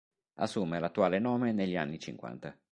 Assume l'attuale nome negli anni Cinquanta.